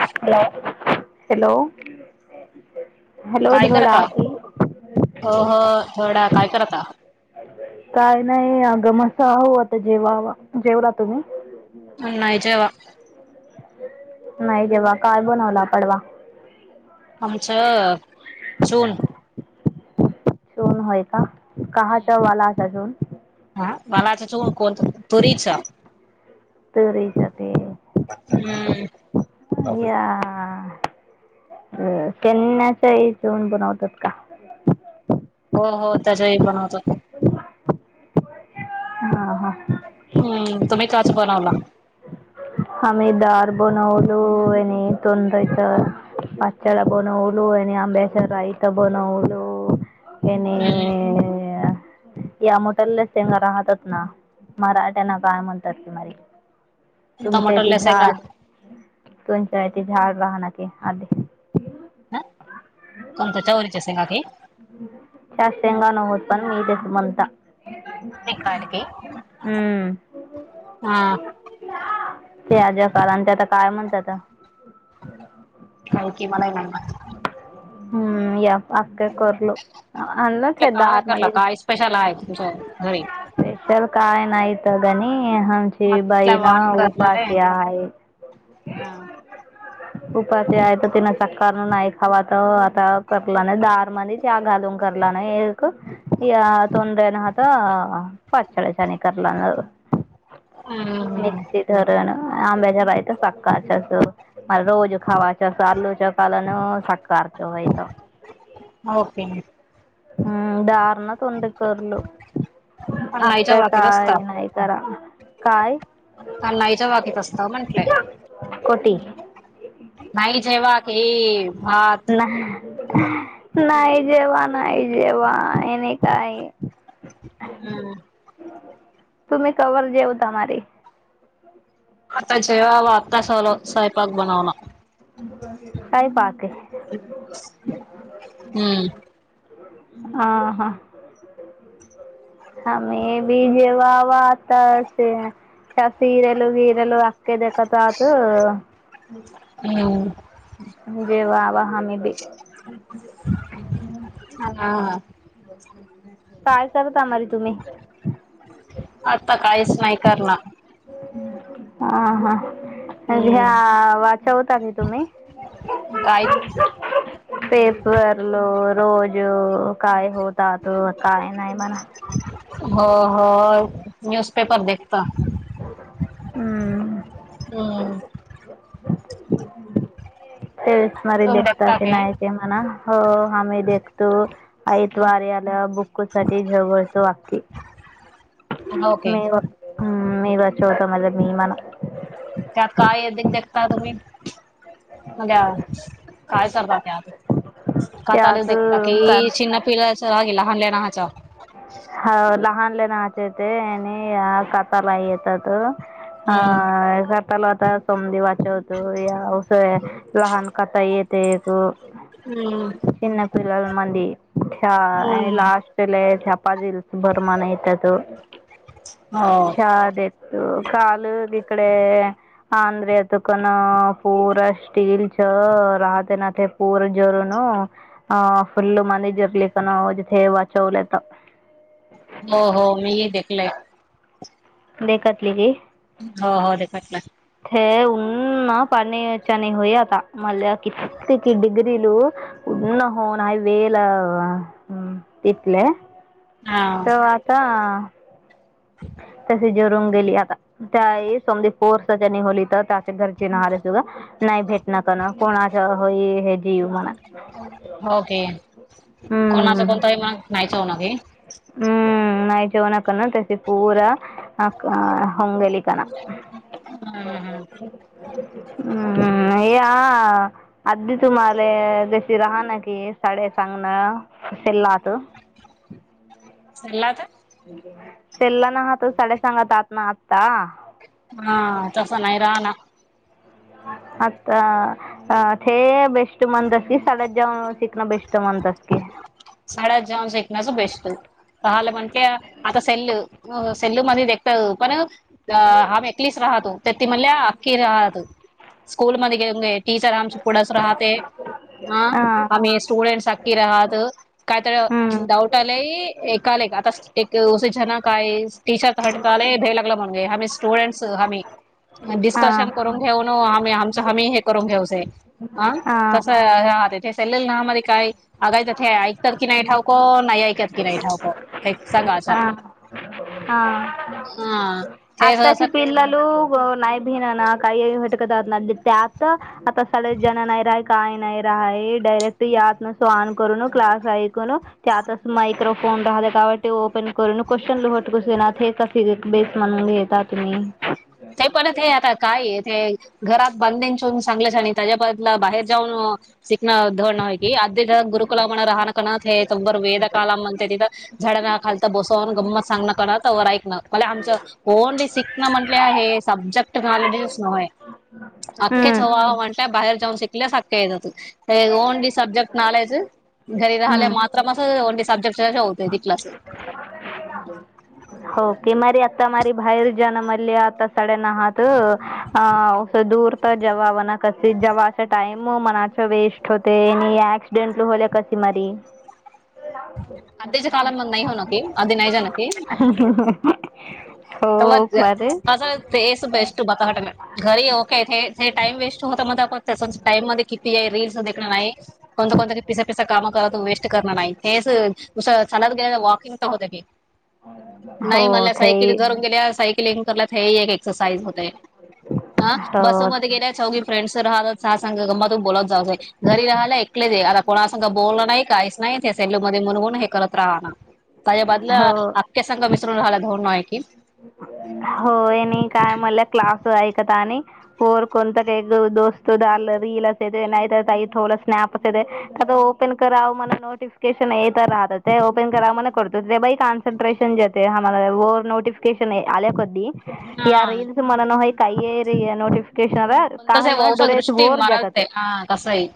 [inaudible] Hello, hello. Hello काय धडा करता? की [inaudible] हो हो वडा. काय करता? काय नाही अगमसह आता जेवाव. जेवला तुम्ही? नाही जेव्हा [unintelligible] नाही जेव्हा काय बनवला अता डबा. आमचं जून. जून होय का? काहाचा वाला अस जून. [inaudible] हा मला आता चून कोणत तुरीच तरीसाठी [inaudible] या हा. हा [inaudible] अ त्यांना त्या येतो म्हणून बनवतात का? [inaudible] हो हो त्याच्या ही बनवतात का? [inaudible] हा, हा. हम्म, तुम्ही का असं बनवला? आम्ही दार बनवलो आणि [unintelligible] [unintelligible] बनवलो आणि आंब्याच्या रायता बनवलो. यांनी हम्म या मोटलेल्या सेंगा राहतात ना मराठ्यांना काय म्हणतात तुमारी? तुमच्या इथे टमाटरला शेंगा झाड, तुमच्या इथे झाड राह न की आधी. ह कोणत चवरीच्या शेंगा की [unintelligible] नव्ह पण मी तेच म्हणता. [inaudible] काल की हम्. हा [inaudible] ते अज्या काल आणि ते आता काय म्हणत्यात. [inaudible] काय की? मला ही नाही माहित. हम्म या करलो आ तिथलं तेध काय आर करला मणी काय स्पेशल आहे तुमच्या घरी स्पेशल काय नायत गणी मग आमची तिथल्या बाई ना वान करलेलं उपासी आहे हम्म उपाशी आहे तर तिन साकार नाही खावा तर आता कला नाही दार त्या घालून करला ना एक तोंयानात पाचळ्या चणी करला हम्म मिकस दरण आंबेजरा आय ते सकााचस म रोजू खवाचस आल्लू चोकान सकाा चोयत ओके म हम्म डार ना तुंद कररल पण नाहीच्या अकाय का बाकीत असता ये नाहीय कारा काय कानाईच्या बागेत असत म्हंटलंय कोटी नाही जेव्हा की भात नाही जेव नाही जेव हेने काय हम्म तुमी कववर जेव तारी आता जवा अता सवला सायपाक बनवला काय पाके हम्म ह हा आे बी जेव वातास सिरेलो गिरेल के देखतात हम्म जे वा वा हा काय करत आमारी तुम्ही आता काहीच नाही करणार ह हा घ्या हम्म वाचवता की तुम्ही काय पेपर लोर रोज काय होतात काय नाही म्हणा हो -हो न्यूजपेपर देखता हम्म ते विसमारी तुम दता देखता ते के नाही ते म्हणा हो ह मी देखतो आईत वार्याला बुकू साठी झगळतो अखकी के हम्म मदा चोत मला मी मन त्यात काय य देगता तुम्ही अ्या काय करतात आता काातल त्यात दे क का चिन पिलाचगला हल्ल्या ना हचा ह लहानले नाच येत आणि कातला येतात हा हम्म आताला आत सर्व वाचतो या लहान कथा येते एक हम् पिल्लल मंद हम्म लास्ट [inaudible] पाजेल भरमा नाही त्याच हो त्या देत काल तिकडे अंद्रे अ तकन पूरा स्टीलल च राहते नाहते पूरा जवरन [inaudible] अ फुल्ल मंद जरली कानजथ वाचवलेत [unintelligible] हो हो मीही पहिले पहिले ना हो -हो पहिले हेऊन पणीयच आणि होय आता मला कि क डग्रीू उन होन वेल तथले हा तर आता ून गेली आता स पो होली तर त्याच्या घरची नार सुा नाही भे भ नका ना कोणाच हो हे जीव म्हणा होके हम्म कोणाचा कोणतही मग नाहीच हो ना की हम्म नाही जेवणा करण तेशी पूरा अ होंगलिकण हम्म हम्म हम्म हे आ ह अधदी तुम्हाला जशी राहा ना की साड सांगणे लाहत हम् सला तर शेल्ला ना हहातो साड्या सांगत आत ना आत्ता हा तस नाही राह ना आता अ तेे बेस्ट मंद अस सळजजवण शिकन बेस्ट ष्ट म्हण तस क साड जाऊ सेकनाच बेस्ट पालं म्हणते आता सेल्लू सेल्लू मध्ये देखत पण आम एकलीच राहतो तर त म्हणल्या अख्खी राहत स्कूल मध्ये घेऊन ग टीचर हमच पुडस राहात हं हा हम स्टुडेंटस अखखकी राहात हम्म. डाऊट आलंय ए आतान काय टीचर हटका आलाय भ्या लागला स्टुडंट आम्ही डिस्काशन हां. करून घेवलो [unintelligible] हां. कस हं [unintelligible] चालेल ना म काय अगायच ऐकतात की नाही ठावको नाही ऐकत की नाही ठावको [unintelligible] हे सांगा अच्च हं ते असं आत्ताची पिल्ला लू नाही भिन ना काही [unintelligible] तसाळ जण नाही राय काय नाही रा डायरेक्ट यास ऑन करु न क्लास ऐकुनु त्यातसं माक्रोफोन [unintelligible] [unintelligible] ते परत ते हे आता काय हे ते घरात बांधेून चांगल्या छ आणि त्याच्याबला बाहेर जाऊन शिकणं धडण [unintelligible] ये अददी गुरकुल मण राहन कणा हे तुबर वेद क कालम अंत झ झाड ना खलता बसवन [unintelligible] [unintelligible] हे सब्जेक्ट नॉलेजस नवय अख्खेच हम्म. हवा म्हटल्या बाहेर जाऊन [unintelligible] सख ओनली सजेक्ट नॉलेज घरी रा हम्म. मा ओ [unintelligible] सब्जेक्ट होत क्लासे होके मरी आता मारी बाहेर जा ना मली आता सड्यान हहात दूर तर जे्हा म्हणा कस जेवाचा टाइम मनाच वेस्ट होते आणि ऍक्सिडेंट [unintelligible] मारी [unintelligible] आध्याच्या कालामध्ये नाही हो न की आधी नाही जा न की [unintelligible] [unintelligible] हे बरे हे टाइम वेस्ट होत ना ते आपण तस टाईम मध्ये किती आहे रीलस देण नाही कोणता कोणता पिसा पिसा काम करत वेस्ट करण नाही ते [unintelligible] वॉकिंग तर होऊ द्या कि हो ते जरून गेल्या सायकलिंग करला तर एक एक्सरसाइज होते हा हो बसमध्येध्ये गेल्याय चौघी फ्रेंड्स राहत सांग गमातून बोलत जां घरी राहायला कच आता कोणा सांगा बोलण नाही काहीच नाही सेल्लूमध्ये म्हणून हे करत राहा त्या बद हो अ्या सा मिसून राला धायल कि होय काय मला क्लास आयकत आणि फर कोत का एक दोस्त दला [unintelligible] [unintelligible] ओपन करा करतो ते बा कन्सन्ट्रेशन जे आम्हाला व नोटिफिकेशन आल्या कधी यार हा इल्स मनन हई कायेयरीय [unintelligible] केशणा कोणताच काही आहे म वौसा डोऱ्याचे दृष्टी बोर जातात मराठे हा कसंही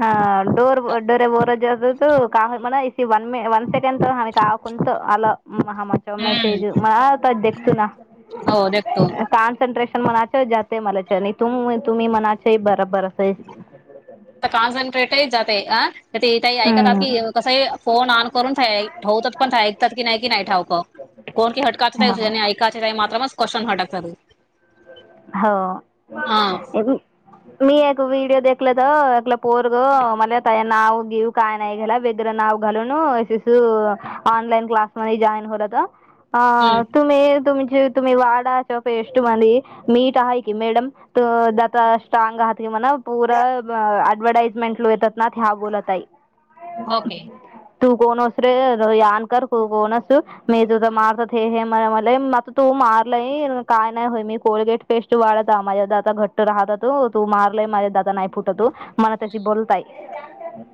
हा डोर ब डोर बोर जस बतो का म्हणा इ वन मि वन सेकंड तो ह काक तो आला [unintelligible] महााम च हम्म मेसेज मा त अध्यक्ष ना हो देतो पण मनाच्या जातय मला आणि तुम तुम्ही मनाच्या बरोबर असं आहे तेथही ऐकतात हम्म की कसं फोन ऑन करून ठेव [unintelligible] ठावतात पण ऐकात की नाही की नाही ठावक कोण की हटकायच हा नाही ऐकाच मात्र म [unintelligible] हो मी एक व्हडिओ देलं तर एकलं पोर ग मला नाव घेऊ काय नाही घ्याला वेगरं नाव घालून ऑनलाईन क्लासमध्ये जॉईन होरात अ हम्म तुम्ही तुमची तुम्ही वाडा च पेष्ट म्ह मीठ आहे की मॅडम [unintelligible] त दता स्ट्राग आहात कि म्हणा पूर अऍडव्हटाईजमेंट लो येतात ना ह्या बोलतई ओके तू कोणस रेन कर तू कोणस मी तो मारत [unintelligible] मारलंय काय नाही होय मी कोलगेट पेस्ट वाढत माझ्या घट्ट राहत त तू मारलाय माझ्या दादा नाही फुटतो मला त्याची बोलताय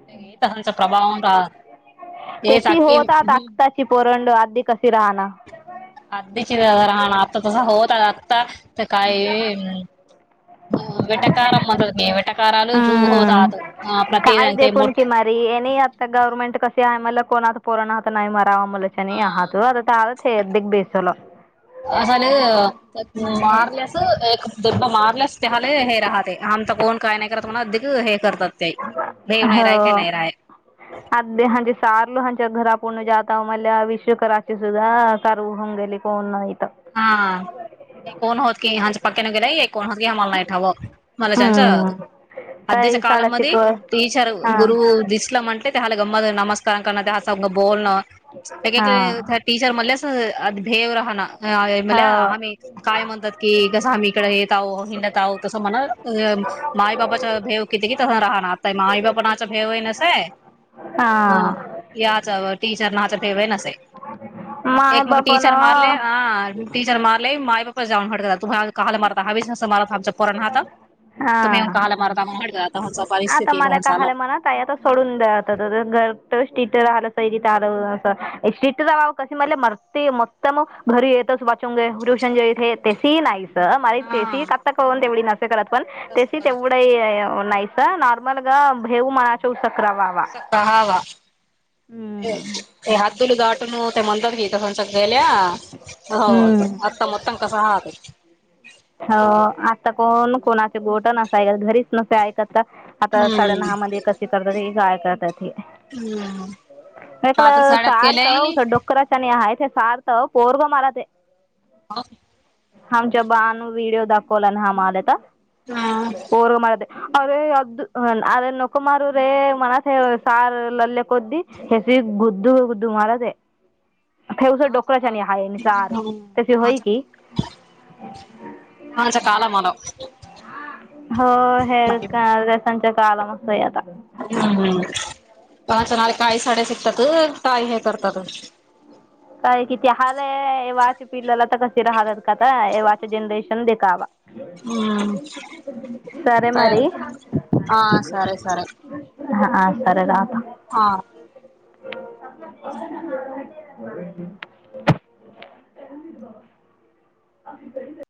हे तसांचा प्रभाव राह हे तेशी चाकी होतात आताची पोरंड आधी कशी राहणार आधीची राहण आता तस होत आता तर काही ह विटाकारार मद वटकारा झ होत हम्म. काय प्रत देखून मोठ आता गव्हर्मेंट कर ते आहे मला कोण आता पोरण आहात नाही मरावा मुलाच्या नाही आहात आता आ हे अ बेसवलं असल मारलेस एक दुप मारलेस त्यााले हे राहते आमता कोण काय नाही करत म्हणा अधिक हे करतात ते देव नाही राय का नाही राय हांजे सारलो ह च्या घरा पर्ण जाता म विश्व कराचे सुद्धा कार उ होऊन गेले कोण नाही तर हा ते कोण होत क हंच पके न गेला कोण होत ग मला नाही ठव मला हम्म अध्यक्ष काही साडा कलम मध्ये शिकवत टीचर् हां गुर दिसलंमटे ते ह्हाला गम नमस्कार कर ते इंग बोलण हां टीच मले अस अ भेव रहणा म्हला हो आम्ही काय म्हणतात की कसं आम्ही इकड येत आहो हिंडत आह तसं म्हणा माय बाबाच्या भेव किती किती क त राह माई बापणाचा भेवई नसय ह हां याचवर टीचर नाच ठेवे न अस माय एक मुग टीचर बापानं मारले ी टीचर मारले म मा बापपा जाऊनड तूहाला मारता हा मारत आम कोरणहता तुम्ही हां काला म आता मला कालं मणा काय आता सोडून द्या आ घर स्ट्रीट राला सरी स्ट्रीटव कस म्ह मरते मत मग घरी येत त वाचवंगे रुशन जे इथे ते सी लाईस मला तेस हा कत्ता कान तेवढी नसे करत पण तेस तसं करा तेवढा नाही नारमल ग भेऊ मना चौस का हवा हम्म. ते हदुल गाटून ते म्हणतात घ गेल्या हो हम्म आत्ता मतां कस हो आता कोण कोणाचे गोट नसाय घरीच नसे ऐक आता आता हम्म साडे दहा मध्ये कशी करतात गा करतात हम्म कात्र एकलं साड्यात सार केल्याय च डोकराच्याने आहेत सार्थ पोर्व मार ते हा आमच्या बाू वडिओ दाखवला ना हम आलाता चहाचा पर म अरे अ अरे नुकमार रे मनात सार लल्लेक कोद्दी हेस त गुद्दू गुद्दू मार ते उस डोकरा्याच्या नि काला आहेानसार त्याची होय की हज काळे मड हो हे रसांच्या काला मस्त आहे आता हम्म चहाच्या काय साड्या शिकतात काय हे करतात काय कि ते हला एव्हाच्या पिल्लेला तर कसे राहलात काता एव्हाच जनरेशन देखावा हम् का हा सरे सरे हा ह सर राता हा काी ब